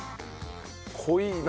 濃いいな。